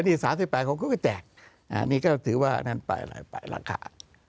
อันนี้สามสี่สิบแปดของเขาก็แจงอันนี้ก็ถือว่านั่นไหนไปราคา